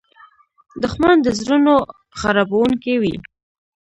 دښمن د زړونو خرابوونکی وي